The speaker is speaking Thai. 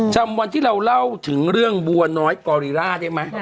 จำวันที่เราเล่าถึงเรื่องบัวน้อยกอริล่าได้ไหม